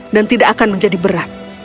dan tidak akan menjadi berat